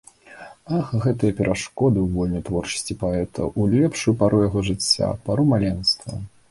Ах, гэтыя перашкоды ў вольнай творчасці паэта ў лепшую пару яго жыцця, пару маленства!